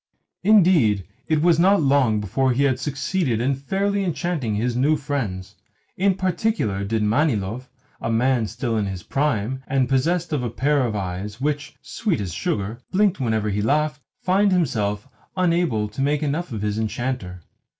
Indeed, it was not long before he had succeeded in fairly enchanting his new friends. In particular did Manilov a man still in his prime, and possessed of a pair of eyes which, sweet as sugar, blinked whenever he laughed find himself unable to make enough of his enchanter.